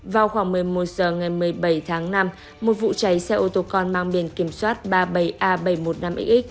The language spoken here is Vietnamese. vào khoảng một mươi một h ngày một mươi bảy tháng năm một vụ cháy xe ô tô con mang biển kiểm soát ba mươi bảy a bảy trăm một mươi năm x